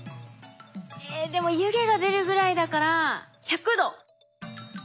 えでも湯気が出るぐらいだから１００℃。